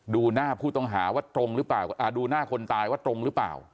ดูหน้าผู้ต้องหาว่าตรงหรือเปล่าดูหน้าคนตายว่าตรงหรือเปล่า